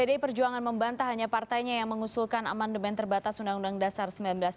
pdi perjuangan membantah hanya partainya yang mengusulkan amandemen terbatas undang undang dasar seribu sembilan ratus empat puluh lima